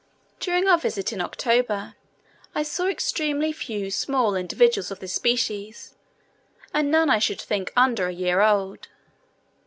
During our visit (in October), I saw extremely few small individuals of this species, and none I should think under a year old.